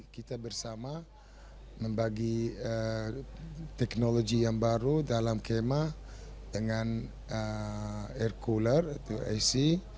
kema dengan air cooler itu ac